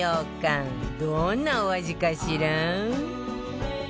どんなお味かしら？